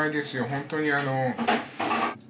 本当にあの。